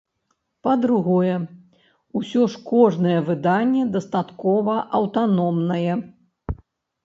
Па-другое, усё ж кожнае выданне дастаткова аўтаномнае.